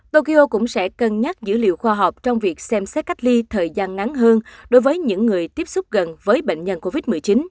tokyo cũng sẽ cân nhắc dữ liệu khoa học trong việc xem xét cách ly thời gian ngắn hơn đối với những người tiếp xúc gần với bệnh nhân covid một mươi chín